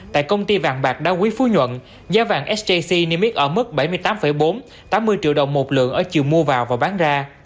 tại công ty vàng bạc đa quý phú nhuận giá vàng sjc niêm yết ở mức bảy mươi tám bốn tám mươi triệu đồng một lượng ở chiều mua vào và bán ra